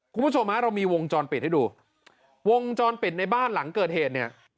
คุณผู้ชมฮะเรามีวงจรปิดให้ดูวงจรปิดในบ้านหลังเกิดเหตุเนี่ย